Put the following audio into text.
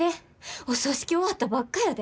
お葬式、終わったばっかやで。